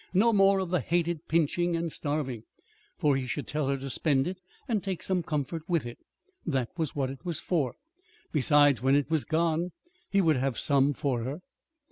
No more of the hated pinching and starving, for he should tell her to spend it and take some comfort with it. That was what it was for. Besides, when it was gone, he would have some for her.